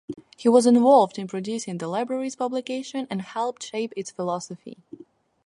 He was involved in producing the library's publications, and helped shape its philosophy.